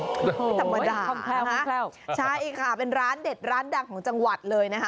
ไม่ธรรมดาคล่องแคล่วใช่ค่ะเป็นร้านเด็ดร้านดังของจังหวัดเลยนะคะ